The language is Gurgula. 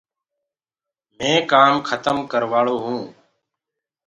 مينٚ ڪآم کتم ڪرواݪو هونٚ۔